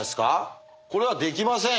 これはできません。